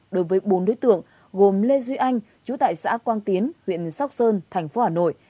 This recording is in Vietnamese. đối với bốn đối tượng gồm lê duy anh chú tại xã quang tiến huyện sóc sơn thành phố hà nội